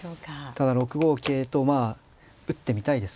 ただ６五桂とまあ打ってみたいですけどね。